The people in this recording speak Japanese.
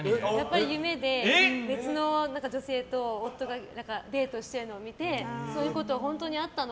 夢で別の女性と夫がデートしてるのを見てそういうこと本当にあったの？